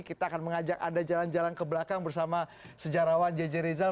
kita akan mengajak anda jalan jalan ke belakang bersama sejarawan jj rizal